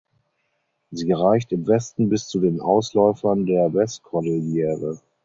Sie reicht im Westen bis zu den Ausläufern der Westkordillere.